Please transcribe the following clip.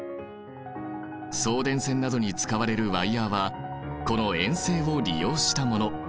送電線などに使われるワイヤーはこの延性を利用したもの。